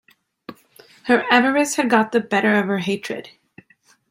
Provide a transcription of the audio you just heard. Her avarice had got the better of her hatred.